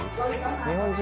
日本人？